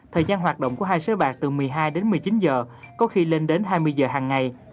thời gian hoạt động của hai sới bạc từ một mươi hai đến một mươi chín giờ có khi lên đến hai mươi giờ hàng ngày